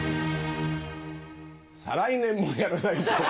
再来年もやらないと思う。